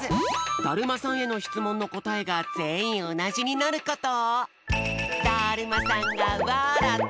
だるまさんへのしつもんのこたえがぜんいんおなじになること。